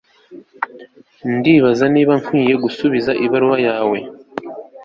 Ndibaza niba nkwiye gusubiza ibaruwa ye